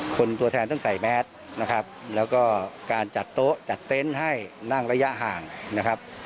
ตัวแทนต้องใส่แมสนะครับแล้วก็การจัดโต๊ะจัดเต็นต์ให้นั่งระยะห่างนะครับ